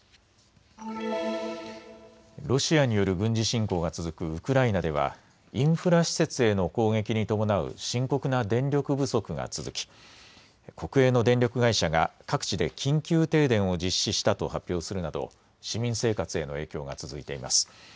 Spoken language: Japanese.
ロシアによる軍事侵攻が続くウクライナではインフラ施設への攻撃に伴う深刻な電力不足が続き国営の電力会社が各地で緊急停電を実施したと発表するなど市民生活への影響が続いています。